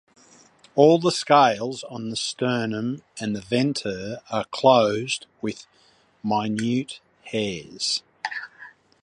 All the scales on the sternum and venter are clothed with minute hairs.